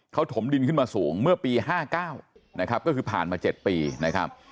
เขาถมดินขึ้นมาสูงเมื่อปี๕๙นะครับก็คือผ่านมา๗ปีนะครับ